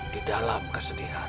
di dalam kesedihan